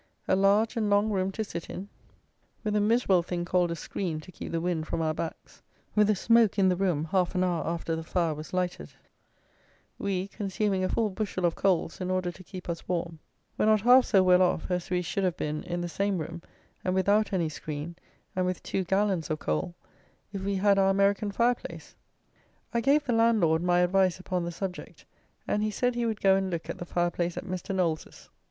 A large and long room to sit in, with a miserable thing called a screen to keep the wind from our backs, with a smoke in the room half an hour after the fire was lighted, we, consuming a full bushel of coals in order to keep us warm, were not half so well off as we should have been in the same room, and without any screen, and with two gallons of coals, if we had our American fire place. I gave the landlord my advice upon the subject, and he said he would go and look at the fire place at Mr. Knowles's.